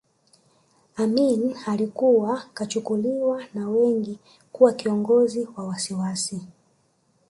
Amin alikuwa kachukuliwa na wengi kuwa kiongozi wa wasiwasi